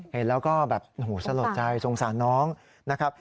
เห็นแล้วก็แบบสลดใจสงสารน้องนะครับ